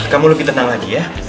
kamu lebih tenang lagi ya